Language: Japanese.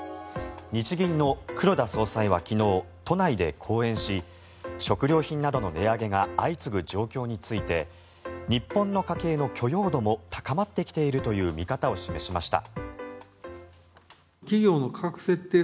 日銀の黒田総裁は昨日都内で講演し食料品などの値上げが相次ぐ状況について日本の家計の許容度も高まってきているという見方を示しました。